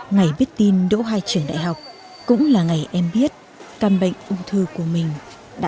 ngày biết tin đỗ hai trường đại học em bước qua những ngày liên tục đi lại giữa thái bình và hà nội để truyền hóa chất điều trị bệnh sau ca phẫu thuật